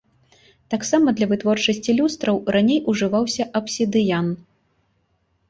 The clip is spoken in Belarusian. Таксама для вытворчасці люстраў раней ужываўся абсідыян.